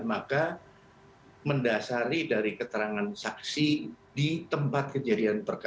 maka mendasari dari keterangan saksi di tempat kejadian perkara